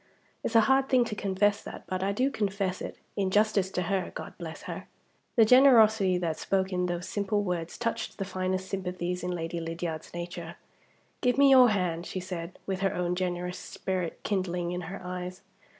It's a hard thing to confess that; but I do confess it, in justice to her God bless her!" The generosity that spoke in those simple words touched the finest sympathies in Lady Lydiard's nature. "Give me your hand," she said, with her own generous spirit kindling in her eyes.